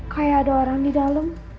kayak ada orang di dalam